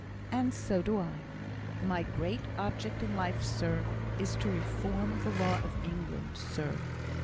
And so do I. My great object in life, sir, is to reform the law of England, sir.